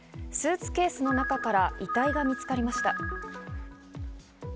スーツケースの中から遺体が見つかりました。